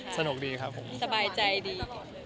สบายใจดี